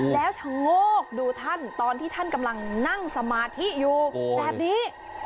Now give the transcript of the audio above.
แล้วชะโงกดูท่านตอนที่ท่านกำลังนั่งสมาธิอยู่แบบนี้